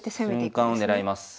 瞬間を狙います。